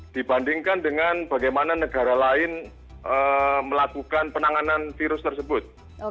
dibandingkan dengan bagaimana negara lain melakukan penanganan virus tersebut